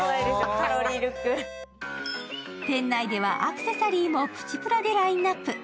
店内ではアクセサリーもプチプラでラインナップ。